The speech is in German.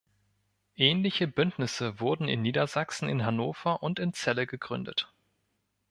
Ähnliche Bündnisse wurden in Niedersachsen in Hannover und in Celle gegründet.